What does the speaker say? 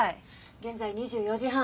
現在２４時半。